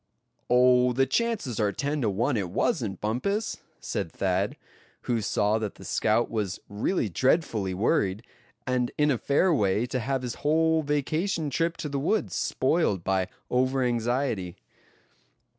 "Oh! the chances are ten to one it wasn't, Bumpus," said Thad, who saw that the scout was really dreadfully worried, and in a fair way to have his whole vacation trip to the woods spoiled by over anxiety.